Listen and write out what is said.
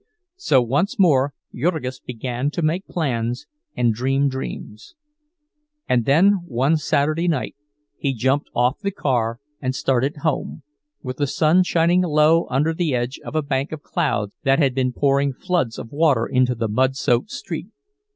So once more Jurgis began to make plans and dream dreams. And then one Saturday night he jumped off the car and started home, with the sun shining low under the edge of a bank of clouds that had been pouring floods of water into the mud soaked street.